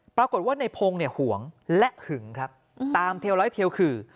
ปรากฏว่าในพงศ์เนี่ยห่วงและหึงครับตามเทลไลท์เทลขือ